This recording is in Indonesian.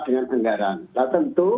dengan anggaran nah tentu